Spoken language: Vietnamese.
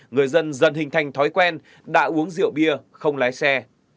người dân dần hình thành thói quen đã uống rượu bia không lái xe